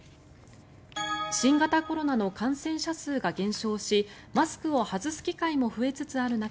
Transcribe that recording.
新型コロナの感染者数が減少しマスクを外す機会も増えつつある中